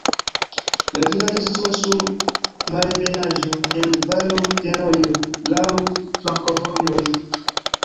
La vilaĝo situas sur malebenaĵo, en valo de rojo, laŭ flankovojoj.